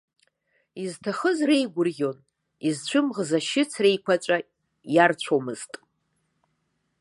Изҭахыз реигәырӷьон, изцәымӷыз ашьыцра еиқәаҵәа иарцәомызт.